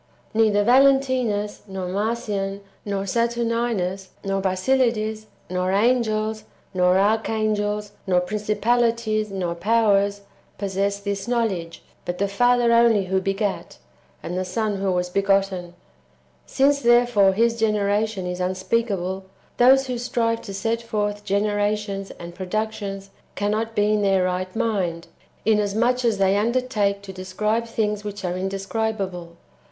Neither Valentinus, nor Marcion, nor Saturninus, nor Basilides, nor angels, nor arch angels, nor princij^alities, nor powers [possess this knowledge], but the Father only who begat, and the Son who was be gotten. Since therefore His generation is unspeakable, those who strive to set forth generations and productions cannot be in their right mind, inasmuch as they undertake to describe things which are indescribable.